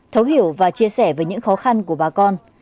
thấu hiểu và chia sẻ về những khó khăn của bà con